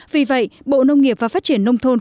vì vậy bộ nông nghiệp và phát triển nông thôn